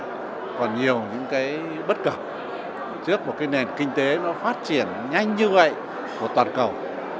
nhưng còn nhiều những cái bất cập trước một cái nền kinh tế nó phát triển nhanh như vậy của toàn cầu